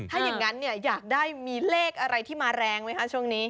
ถ้าอย่างนั้นอยากได้มีเลขอะไรที่มาแรงไหมคะช่วงนี้